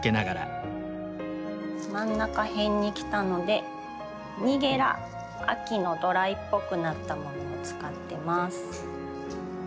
真ん中辺に来たのでニゲラ秋のドライっぽくなったものを使ってます。